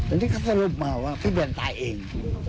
อันนี้ก็สรุปมาว่าพี่แบนตายเอง